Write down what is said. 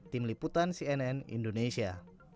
tim liputan cnn indonesia